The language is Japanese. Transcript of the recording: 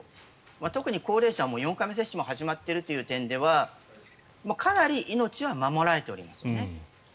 特に高齢者は４回目接種も始まっているという意味ではかなり命は守られておりますね。